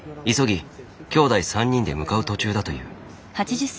きょうだい３人で向かう途中だという。